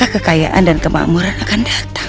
maka kekayaan dan kemampuan akan datang